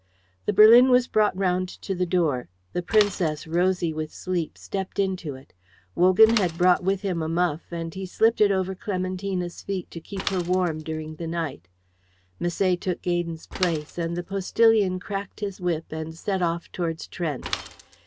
The berlin was brought round to the door; the Princess, rosy with sleep, stepped into it; Wogan had brought with him a muff, and he slipped it over Clementina's feet to keep her warm during the night; Misset took Gaydon's place, and the postillion cracked his whip and set off towards Trent.